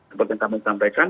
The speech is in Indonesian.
seperti yang kami sampaikan